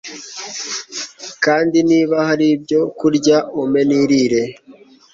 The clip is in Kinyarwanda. kandi niba hari ibyo kurya, umpe nirire